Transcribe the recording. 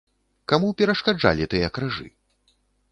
Каму перашкаджалі тыя крыжы?